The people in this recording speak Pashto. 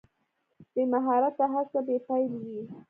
بې مهارته هڅه بې پایلې وي.